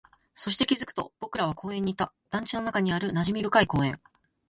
そして、気づくと僕らは公園にいた、団地の中にある馴染み深い公園